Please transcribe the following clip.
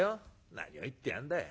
『何を言ってやんだい。